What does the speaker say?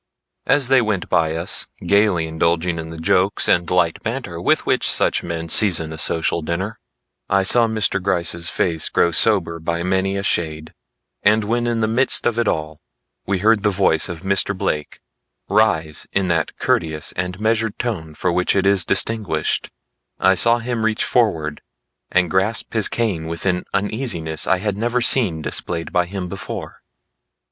As they went by us gaily indulging in the jokes and light banter with which such men season a social dinner, I saw Mr. Gryce's face grow sober by many a shade; and when in the midst of it all, we heard the voice of Mr. Blake rise in that courteous and measured tone for which it is distinguished, I saw him reach forward and grasp his cane with an uneasiness I had never seen displayed by him before.